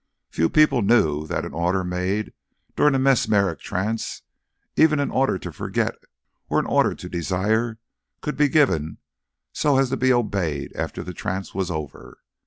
Few people knew that an order made during a mesmeric trance, even an order to forget or an order to desire, could be given so as to be obeyed after the trance was over.